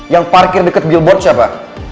yang parkir deket bilboard siapa